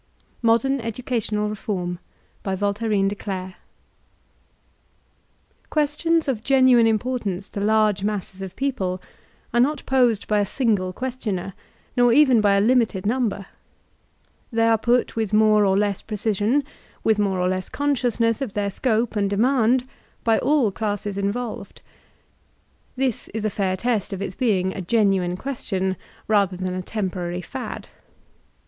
Modern Educational Reform OUESTIONS of genuine importance to large masses of people, are not posed by a single questioner, nor even by a limited number They are put with more or less precision, with more or less consciousness of their scope and demand by all classes involved. This is a fair test of its being a genuine question, rather than a temporary fad.